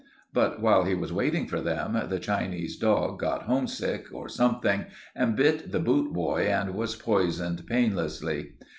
But while he was waiting for them, the Chinese dog got homesick, or something, and bit the boot boy and was poisoned painlessly.